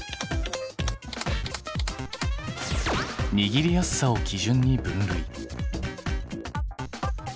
握りやすさを基準に分類。